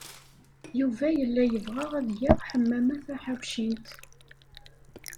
Yuba yella yebɣa ad yaɣ Ḥemmama Taḥawcint.